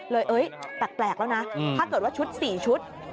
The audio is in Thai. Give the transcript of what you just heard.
แปลกแล้วนะถ้าเกิดว่าชุด๔ชุด